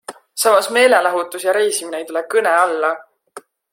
Samas meelelahutus ja reisimine ei tule kõne alla.